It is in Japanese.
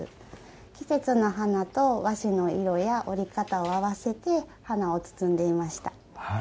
季節の花と和紙の色や折り方を合わせて花を包んでいました。